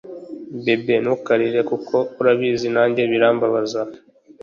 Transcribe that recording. Bebe ntukarire kuko urabizi nanjye birambabaza